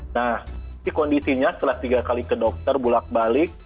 nah ini kondisinya setelah tiga kali ke dokter bulat balik